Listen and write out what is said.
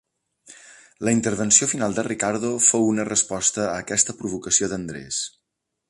La intervenció final de Ricardo fou una resposta a aquesta provocació d'Andrés.